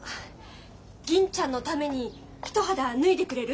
銀ちゃんのために一肌脱いでくれる？